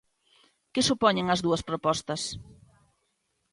Que supoñen as dúas propostas?